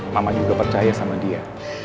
mama juga percaya sama dia